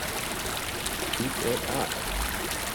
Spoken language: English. Keep it up!